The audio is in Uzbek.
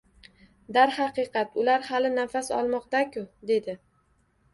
— Darhaqiqat, ular hali nafas olmoqda-ku? — dedi.